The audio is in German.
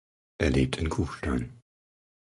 Er lebt in Kufstein.